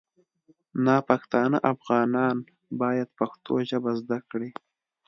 ناپښتانه افغانان باید پښتو ژبه زده کړي